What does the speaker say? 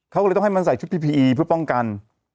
ครามนี้ต้องให้มันใส่ชื้อวิธีเพื่อป้องกัน